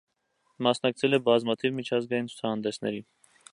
Մասնակցել է բազմաթիվ միջազգային ցուցահանդեսների։